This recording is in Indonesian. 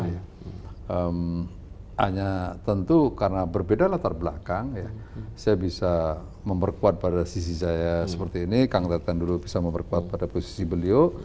hanya tentu karena berbeda latar belakang ya saya bisa memperkuat pada sisi saya seperti ini kang teten dulu bisa memperkuat pada posisi beliau